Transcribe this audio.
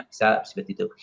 bisa seperti itu